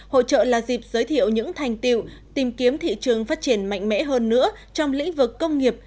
hội trợ là dịp giới thiệu những thành tiệu tìm kiếm thị trường phát triển mạnh mẽ hơn nữa trong lĩnh vực công nghiệp